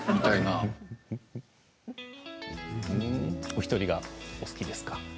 お一人が好きですか。